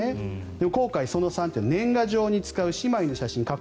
後悔その３年賀状に使う姉妹の写真加工